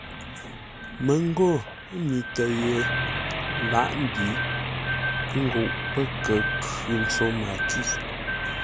Məngô mi tə́ ye lǎʼ mbǐ nguʼ pə́ kə khʉ ntso makí.